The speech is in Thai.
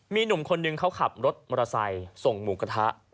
มีหนุ่มคนนึงเขาขับรถมอเตอร์ไซค์ส่งหมูกระทะ